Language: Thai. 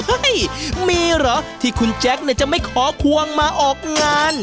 มีเหรอที่คุณแจ๊คจะไม่ขอควงมาออกงาน